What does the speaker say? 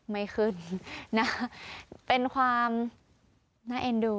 ไม่ขึ้นนะคะเป็นความน่าเอ็นดู